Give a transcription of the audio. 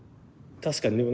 確かにね。